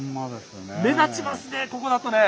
目立ちますね